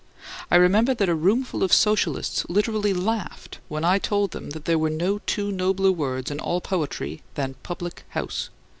I remember that a roomful of Socialists literally laughed when I told them that there were no two nobler words in all poetry than Public House.